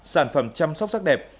sản phẩm chăm sóc sắc đẹp